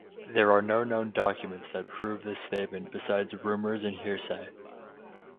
There are no known documents that prove this statement besides rumours and hearsay.